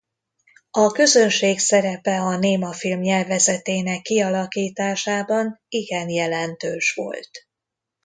A közönség szerepe a némafilm nyelvezetének kialakításában igen jelentős volt.